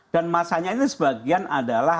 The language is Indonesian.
dan masanya itu sebagian adalah